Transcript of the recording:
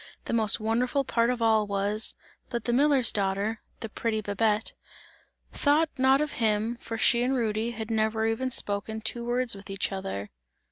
The most wonderful part of all was, that the miller's daughter, the pretty Babette, thought not of him, for she and Rudy had never even spoken two words with each other.